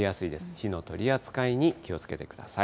火の取り扱いに気をつけてください。